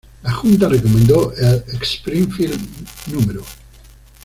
La junta recomendó el "Springfield No.